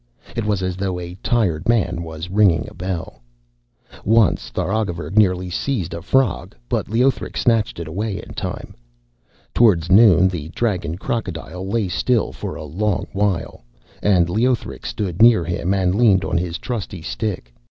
It was as though a tired man was ringing a bell. Once Tharagavverug nearly seized a frog, but Leothric snatched it away just in time. Towards noon the dragon crocodile lay still for a long while, and Leothric stood near him and leaned on his trusty stick.